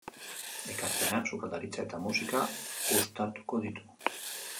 Ekarpenak sukaldaritza eta musika uztartuko ditu.